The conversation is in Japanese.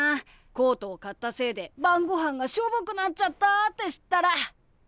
コートを買ったせいで晩ごはんがしょぼくなっちゃったって知ったら。